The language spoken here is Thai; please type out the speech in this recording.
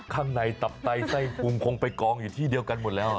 ข้างในตับไตไส้พุงคงไปกองอยู่ที่เดียวกันหมดแล้ว